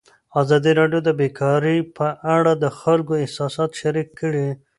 ازادي راډیو د بیکاري په اړه د خلکو احساسات شریک کړي.